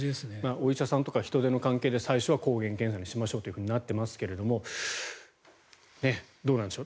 お医者さんとか人出の関係で最初は抗原検査にしましょうとなってますけどどうなんでしょう